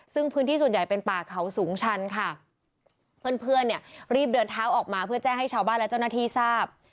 ซึ่งพื้นที่ส่วนใหญ่เป็นป่าเขาสูงชันค่ะเพื่อนเพื่อนเนี่ยรีบเดินเท้าออกมาเพื่อแจ้งให้ชาวบ้านและเจ้าหน้าที่ทราบ